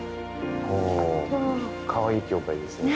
おおかわいい教会ですね。